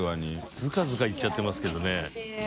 ずかずか行っちゃってますけどね。